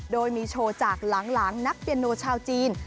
โดยมีโชว์จากหลังนักเปียโนชาวจีน